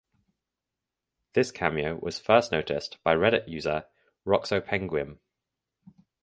This cameo was first noticed by Reddit user "Roxopenguim".